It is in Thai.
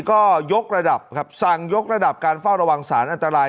ก็ยกระดับครับสั่งยกระดับการเฝ้าระวังสารอันตราย